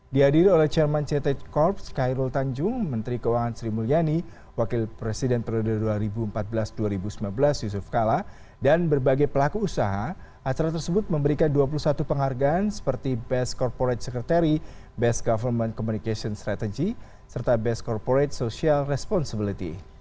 di hadir oleh chairman ct corp skyrol tanjung menteri keuangan sri mulyani wakil presiden periode dua ribu empat belas dua ribu lima belas yusuf kala dan berbagai pelaku usaha acara tersebut memberikan dua puluh satu penghargaan seperti best corporate secretary best government communication strategy serta best corporate social responsibility